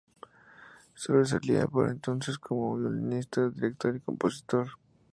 Sobresalía por entonces como violinista, director y compositor.